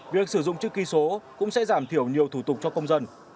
việc sử dụng chữ ký số cũng sẽ giảm thiểu nhiều thủ tục cho công dân